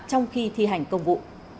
trong khi thi hành công vụ